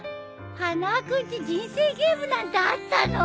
花輪君ち人生ゲームなんてあったの？